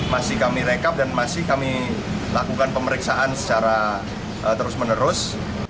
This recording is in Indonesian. masih kami rekap dan masih kami lakukan pemeriksaan secara terus menerus